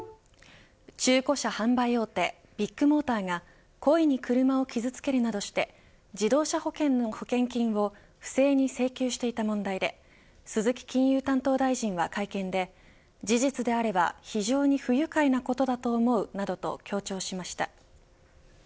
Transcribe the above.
中古車販売大手ビッグモーターが故意に車を傷つけるなどして自動車保険の保険金を不正に請求していた問題で鈴木金融担当大臣は会見で事実であれば非常に不愉快なことだと思うなどと強調しました。